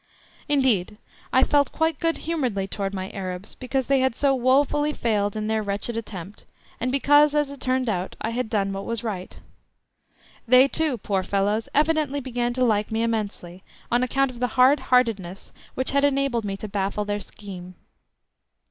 Indeed, I felt quite good humouredly towards my Arabs, because they had so woefully failed in their wretched attempt, and because, as it turned out, I had done what was right. They too, poor fellows, evidently began to like me immensely, on account of the hard heartedness which had enabled me to baffle their scheme.